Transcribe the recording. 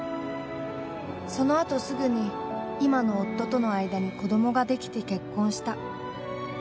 そのあとすぐに、今の夫との間に子供ができて、結婚した。